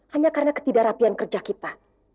hanya karena ketidakrapian kerja kita